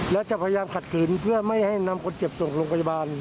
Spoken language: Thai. และจะพยายามขัดขืนเพื่อไม่ให้นำคนเจ็บส่งโรงพยาบาล